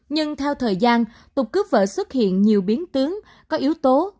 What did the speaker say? nhưng theo thời gian tục cướp vợ xuất hiện nhiều biến tướng có yếu tố